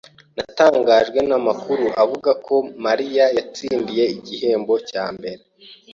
Natangajwe namakuru avuga ko Mariya yatsindiye igihembo cya mbere.